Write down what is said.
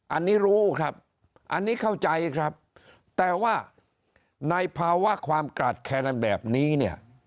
อันนี้รู้ครับอันนี้เข้าใจครับแต่ว่าในภาวะความกราดแค้นแบบนี้เนี่ย